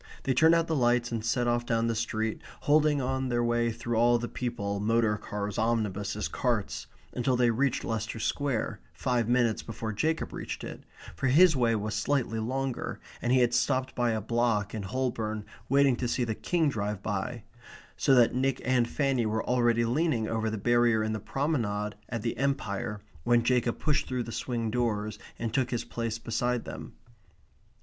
They turned out the lights and set off down the street, holding on their way through all the people, motor cars, omnibuses, carts, until they reached Leicester Square, five minutes before Jacob reached it, for his way was slightly longer, and he had been stopped by a block in Holborn waiting to see the King drive by, so that Nick and Fanny were already leaning over the barrier in the promenade at the Empire when Jacob pushed through the swing doors and took his place beside them.